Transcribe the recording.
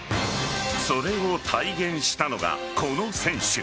それを体現したのが、この選手。